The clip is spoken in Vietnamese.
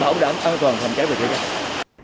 bảo đảm an toàn phòng cháy về thế giới